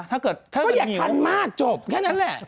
ถ้าเกิดเธอไม่มีอยู่ก็อย่างทันมากจบแค่นั้นแหละ